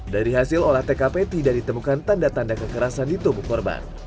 dari hasil olah tkp tidak ditemukan tanda tanda kekerasan di tubuh korban